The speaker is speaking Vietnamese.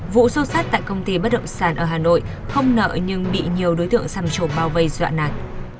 vụ xô sát tại công ty bất động sản ở hà nội không nợ nhưng bị nhiều đối tượng xăm trộm bao vây dọa nạt